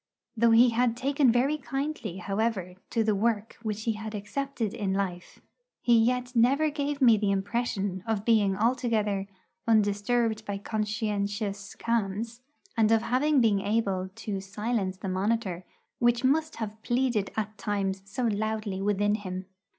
Though he had taken very kindly, however, to the work which he had accepted in life, he yet never gave me the impression of being altogether 'undisturbed by conscientious qualms,' and of having been able to silence the monitor which must have pleaded at times so loudly within him.